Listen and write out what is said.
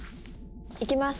いきます。